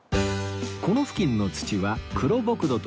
この付近の土は黒ボク